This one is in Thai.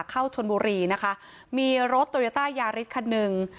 เข้าชนบุรีนะคะมีรถโตโยต้ายาริสคันหนึ่ง